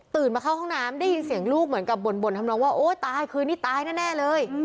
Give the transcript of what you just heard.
มาเข้าห้องน้ำได้ยินเสียงลูกเหมือนกับบ่นทำน้องว่าโอ๊ยตายคืนนี้ตายแน่เลย